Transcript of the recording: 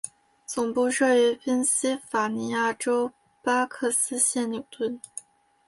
总部设于宾西法尼亚州巴克斯县纽顿。